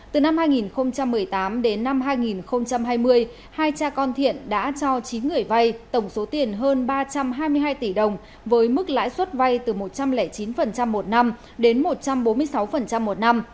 từ năm hai nghìn một mươi tám đến năm hai nghìn hai mươi hai cha con thiện đã cho chín người vay tổng số tiền hơn ba trăm hai mươi hai tỷ đồng với mức lãi suất vay từ một trăm linh chín một năm đến một trăm bốn mươi sáu một năm